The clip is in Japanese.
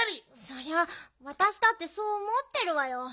そりゃわたしだってそうおもってるわよ。